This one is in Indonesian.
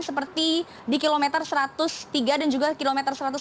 seperti di kilometer satu ratus tiga dan juga kilometer satu ratus tujuh puluh